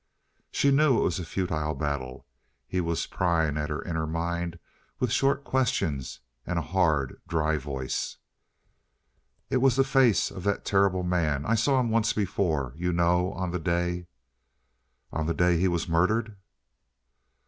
She knew it was a futile battle. He was prying at her inner mind with short questions and a hard, dry voice. "It was the face of that terrible man. I saw him once before, you know. On the day " "On the day he was murdered!"